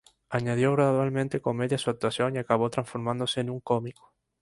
Añadió gradualmente comedia a su actuación y acabó transformándose en un cómico.